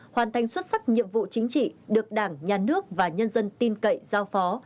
hoàn thành xuất sắc nhiệm vụ chính trị được đảng nhà nước và nhân dân tin cậy giao phó